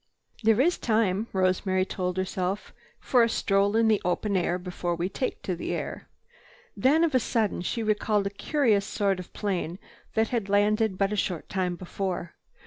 "There is time," Rosemary told herself, "for a stroll in the open air before we take to the air." Then, of a sudden, she recalled a curious sort of plane that had landed but a short time before.